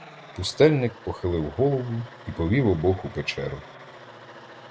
Пустельник похилив голову і повів обох у печеру.